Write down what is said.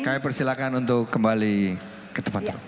kami persilakan untuk kembali ke tempat tersebut